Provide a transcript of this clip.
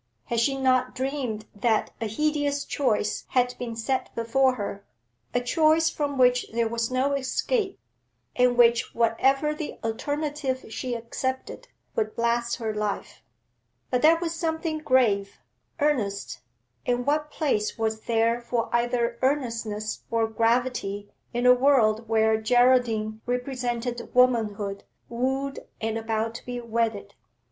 Had she not dreamed that a hideous choice had been set before her, a choice from which there was no escape, and which, whatever the alternative she accepted, would blast her life? But that was something grave, earnest, and what place was there for either earnestness or gravity in a world where Geraldine represented womanhood wooed and about to be wedded?